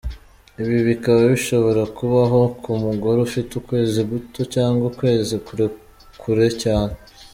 Ibi bikaba bishobora kubaho ku mugore ufite ukwezi guto cyangwa ukwezi kurekure cyane.